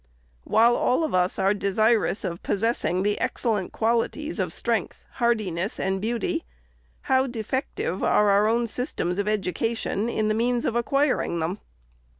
" While all of us are desirous of possessing the excel lent qualities of strength, hardiness, and beauty, how defective are our own systems of education in the means of acquiring them